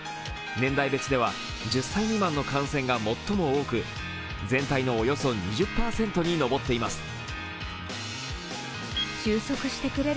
年代別では１０歳未満の感染が最も多く全体のおよそ２０％に上っています。